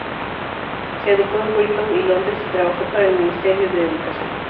Se educó en Freetown y Londres y trabajó para el ministerio de Educación.